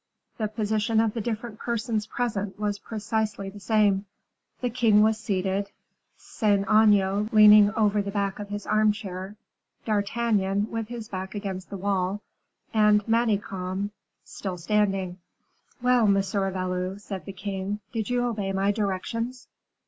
The position of the different persons present was precisely the same: the king was seated, Saint Aignan leaning over the back of his armchair, D'Artagnan with his back against the wall, and Manicamp still standing. "Well, M. Valot," said the king, "did you obey my directions?"